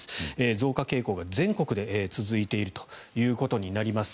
増加傾向が全国で続いているということになります。